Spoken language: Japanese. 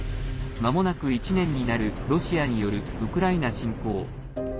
まもなく１年になるロシアによるウクライナ侵攻。